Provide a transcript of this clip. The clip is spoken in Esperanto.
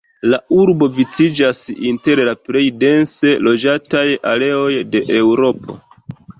La urbo viciĝas inter la plej dense loĝataj areoj de Eŭropo.